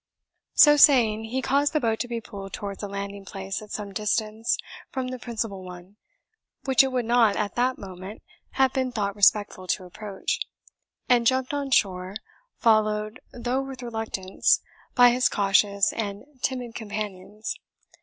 So saying, he caused the boat to be pulled towards a landing place at some distance from the principal one, which it would not, at that moment, have been thought respectful to approach, and jumped on shore, followed, though with reluctance, by his cautious and timid companions.